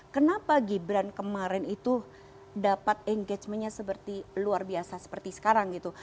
kenapa gibran kemarin itu dapat engagementnya seperti luar biasa seperti sekarang gitu